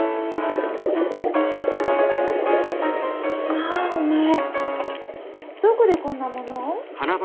・まあお前どこでこんなものを？